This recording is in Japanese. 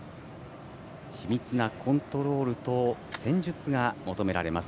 緻密なコントロールと戦術が求められます